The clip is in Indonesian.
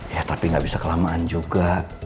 ya tapi nggak bisa kelamaan juga